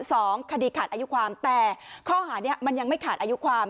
สองคดีขาดอายุความแต่ข้อหานี้มันยังไม่ขาดอายุความ